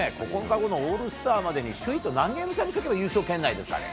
９日後のオールスターまで、首位と何ゲーム差にしておけば優勝圏内ですかね。